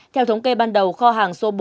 theo thống kê ban đầu kho hàng số bốn